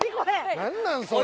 何なん⁉それ。